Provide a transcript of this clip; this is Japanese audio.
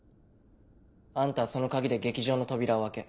あんたはその鍵で劇場の扉を開け。